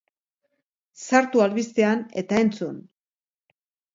Sartu albistean eta entzun!